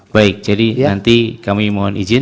baik jadi nanti kami mohon izin